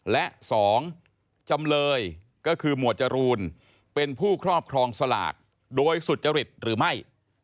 และ๒จำเลยก็คือหมวดจรูนเป็นผู้ครอบครองสลากโดยสุจริตหรือไม่